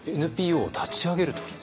ＮＰＯを立ち上げる時ですか？